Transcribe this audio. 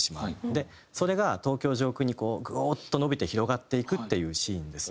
でそれが東京上空にこうグオーッと伸びて広がっていくっていうシーンですね。